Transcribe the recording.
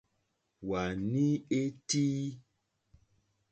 Wàní é tíí.